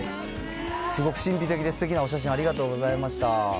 すごく神秘的ですてきなお写真、ありがとうございました。